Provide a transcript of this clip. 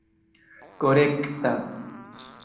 korekta